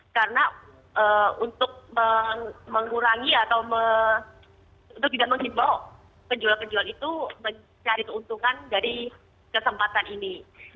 karena untuk mengurangi atau untuk tidak menghibur penjual penjual itu mencari keuntungan dari kesempatan ini